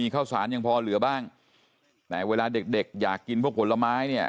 ข้าวสารยังพอเหลือบ้างแต่เวลาเด็กเด็กอยากกินพวกผลไม้เนี่ย